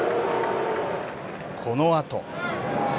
このあと。